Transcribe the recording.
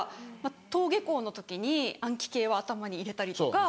登下校の時に暗記系は頭に入れたりとか。